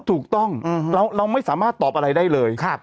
ถูกต้องเราไม่สามารถตอบอะไรได้เลย